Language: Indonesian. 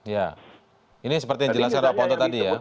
ya ini seperti yang jelaskan raffaoto tadi ya